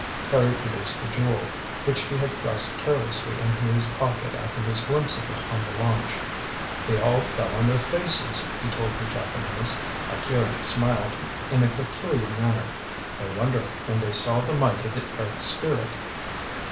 Harry produced the Jewel, which he had thrust carelessly into his pocket after his glimpse of it on the launch. "They all fell on their faces," he told the Japanese. Akira smiled in a peculiar manner. "No wonder, when they saw the might of the Earth Spirit."